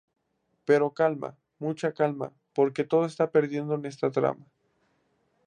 Pero calma, mucha calma, porque no todo está perdido en esta trama.